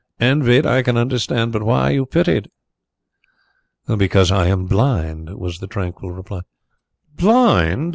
"Envied, I can understand. But why are you pitied?" "Because I am blind," was the tranquil reply. "Blind!"